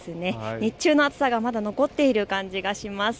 日中の暑さがまだ残っている感じがします。